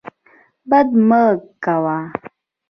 بد مه کوه.